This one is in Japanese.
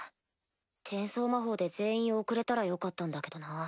転送魔法で全員送れたらよかったんだけどな。